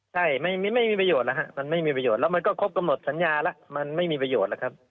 ใช่ไม่มีประโยชน์แล้วฮะมันไม่มีประโยชน์แล้วมันก็ครบกำหนดสัญญาแล้วมันไม่มีประโยชน์แล้วครับ